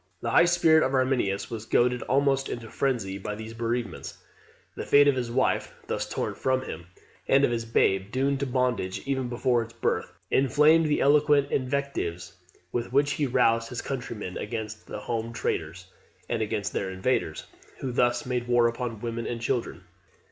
The high spirit of Arminius was goaded almost into frenzy by these bereavements. The fate of his wife, thus torn from him, and of his babe doomed to bondage even before its birth, inflamed the eloquent invectives with which he roused his countrymen against the home traitors, and against their invaders, who thus made war upon women and children.